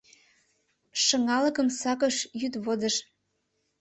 Шыҥалыкым сакыш йӱд-водыж...